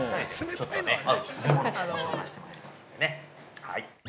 ちょっと合う食べ物をご紹介してまいりますんでね、はい。